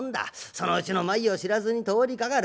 そのうちの前を知らずに通りかかる。